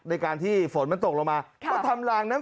ในการที่ฝนมันตกลงมา